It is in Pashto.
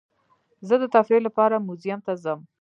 زه د تفریح لپاره میوزیم ته ځم.